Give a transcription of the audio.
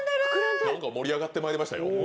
盛り上がってまいりましたよ。